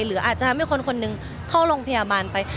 หรืออาจจะทำให้คนคนหนึ่งเข้าโรงพยาบาลไป